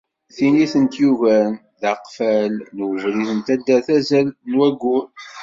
Tin i tent-yugaren, d aqfal n ubrid n taddart azal n wayyur.